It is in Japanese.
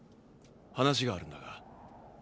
話があるんだが。